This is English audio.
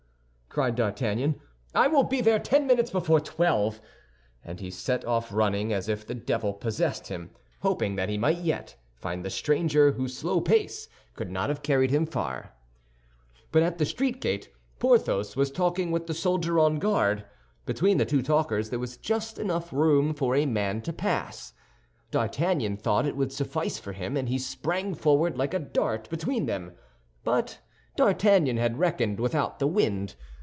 cried D'Artagnan, "I will be there ten minutes before twelve." And he set off running as if the devil possessed him, hoping that he might yet find the stranger, whose slow pace could not have carried him far. But at the street gate, Porthos was talking with the soldier on guard. Between the two talkers there was just enough room for a man to pass. D'Artagnan thought it would suffice for him, and he sprang forward like a dart between them. But D'Artagnan had reckoned without the wind.